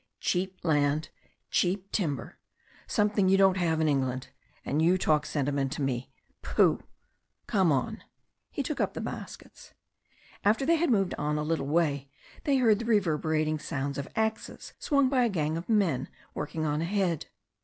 Cheap land, cheap timber. Something you don't have in England. And you talk sentiment to me ! Pooh I Come on." He took up the baskets. After they had moved on a little way they heard the reverberating sounds of axes swung by a gang of men work ing on ahead.